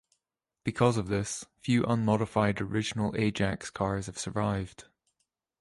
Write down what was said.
Because of this, few unmodified original Ajax cars have survived.